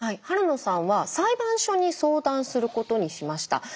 晴野さんは裁判所に相談することにしました。